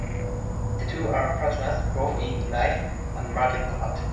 The two are partners both in life and making art.